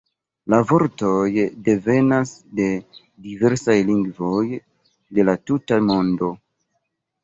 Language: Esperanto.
La vortoj devenas de diversaj lingvoj de la tuta mondo.